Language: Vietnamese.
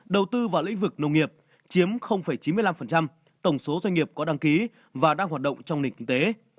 đầu tư vào lĩnh vực nông nghiệp chiếm chín mươi năm tổng số doanh nghiệp có đăng ký và đang hoạt động trong nền kinh tế